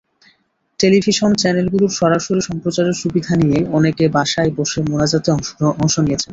Television চ্যানেলগুলোর সরাসরি সম্প্রচারের সুবিধা নিয়ে অনেকে বাসায় বসে মোনাজাতে অংশ নিয়েছেন।